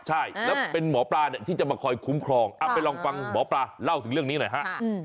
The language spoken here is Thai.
ใช่แล้วเป็นหมอปลาเนี่ยที่จะมาคอยคุ้มครองไปลองฟังหมอปลาเล่าถึงเรื่องนี้หน่อยฮะ